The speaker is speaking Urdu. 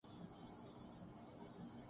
ہم میں ایسی سوچ پیدا کیوں نہیں ہوتی؟